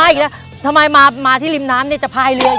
อีกแล้วทำไมมาที่ริมน้ำนี่จะพายเรือ